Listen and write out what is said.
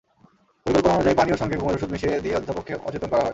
পরিকল্পনা অনুযায়ী পানীয়র সঙ্গে ঘুমের ওষধ মিশিয়ে দিয়ে অধ্যাপককে অচেতন করা হয়।